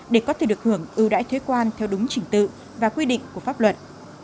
để có thể được hưởng ưu đãi thuế quan theo đúng trình tự và quy định của pháp luật